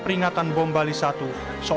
terima kasih pak riana